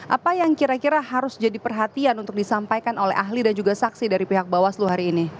apa yang kira kira harus jadi perhatian untuk disampaikan oleh ahli dan juga saksi dari pihak bawaslu hari ini